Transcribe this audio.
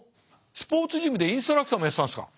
スポーツジムでインストラクターもやってたんですか。